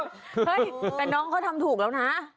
เฮ้ยแต่น้องเขาทำถูกแล้วนะ